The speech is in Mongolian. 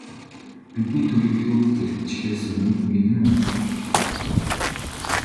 Бидний төлөвлөгөө хэрэгжихээс өмнө нэгэн учрал тохиолдов.